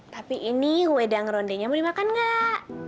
tapi ini wedang rondenya mau dimakan nggak